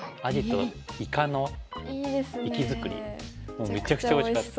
もうめちゃくちゃおいしかった。